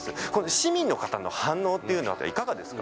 市民の方の反応っていうのはいかがですか？